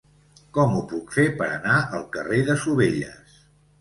Com ho puc fer per anar al carrer de Sovelles?